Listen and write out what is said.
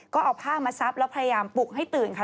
ก็เอาผ้ามาซับแล้วพยายามปลุกให้ตื่นค่ะ